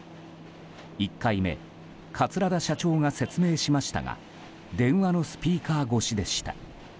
１回目桂田社長が説明しましたが電話のスピーカー越しでした。